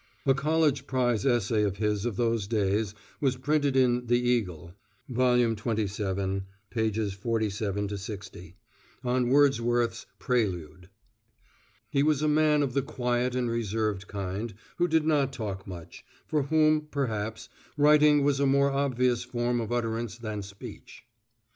(A College Prize Essay of his of those days was printed in The Eagle (vol. xxvii, 47 60) on Wordsworth's Prelude.) He was a man of the quiet and reserved kind, who did not talk much, for whom, perhaps, writing was a more obvious form of utterance than speech.